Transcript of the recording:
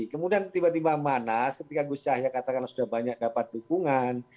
kemudian tiba tiba manas ketika gus yahya katakan sudah banyak dapat dukungan